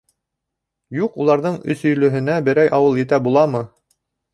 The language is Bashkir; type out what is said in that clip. Юҡ, уларҙың Өсөйлөһөнә берәй ауыл етә буламы?